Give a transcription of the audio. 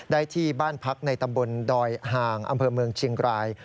ที่บ้านพักในตำบลดอยห่างอำเภอเมืองเชียงราย